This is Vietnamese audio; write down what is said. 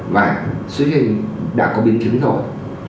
và xuất huyết đã có biến trình rồi